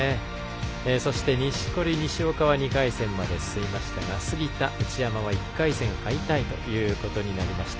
そして錦織、西岡は２回戦まで進みましたが杉田、内山は１回戦敗退となりました。